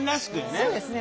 そうですね。